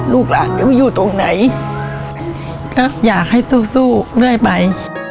ลูกราชยังไม่อยู่ตรงไหนแล้วอยากให้ทรู้สู้เรื่อยไป